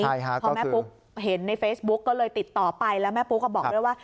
พอแม่ปุ๊กเห็นในเฟซบุ๊กก็เลยติดต่อไปแล้วแม่ปุ๊กก็บอกด้วยว่า